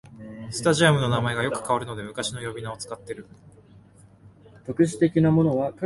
スタジアムの名前がよく変わるので昔の呼び名を使ってる